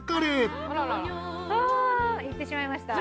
行ってしまいました。